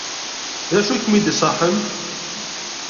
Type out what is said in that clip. D acu i kem-id-iṣaḥen?